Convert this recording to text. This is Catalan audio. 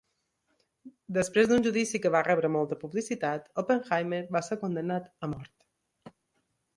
Després d'un judici que va rebre molta publicitat, Oppenheimer va ser condemnat a mort.